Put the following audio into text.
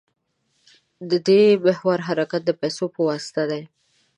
د دې محور حرکت د پیسو په واسطه دی.